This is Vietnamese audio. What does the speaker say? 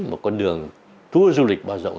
một con đường tua du lịch bao rộng